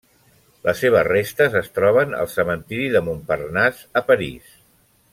Les seves restes es troben al cementiri de Montparnasse a París.